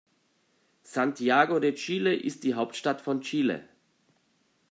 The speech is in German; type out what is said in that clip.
Santiago de Chile ist die Hauptstadt von Chile.